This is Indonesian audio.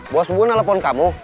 bos bubun nelfon kamu